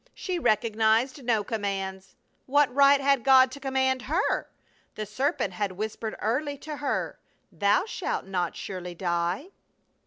She recognized no commands. What right had God to command her? The serpent had whispered early to her, "Thou shalt not surely die."